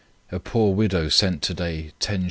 A poor widow sent to day 10s.